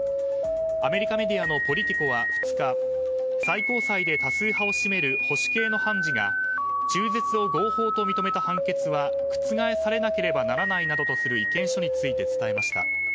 アメリカメディアのポリティコは２日最高裁で多数派を占める保守系の判事が中絶を合法と認めた判決は覆されなければならないなどとする意見書について伝えました。